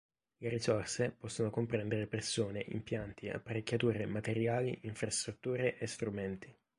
Le risorse possono comprendere persone, impianti, apparecchiature, materiali, infrastrutture e strumenti.